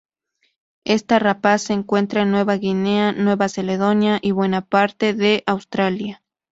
Esta rapaz se encuentra en Nueva Guinea, Nueva Caledonia y buena parte de Australia.